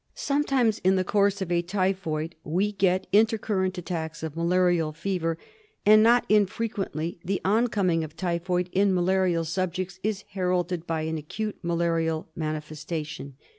Sometimes in the course of a typhoid we get inter current attacks of malarial fever, and not infrequently the oncoming of typhoid in malarial subjects is heralded by an acute malarial manifestation.